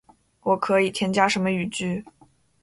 我可以添加什么语句？